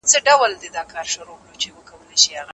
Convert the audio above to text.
ډېری ليکوالانو د دې کلمو ترمنځ توپير روښانه کاوه.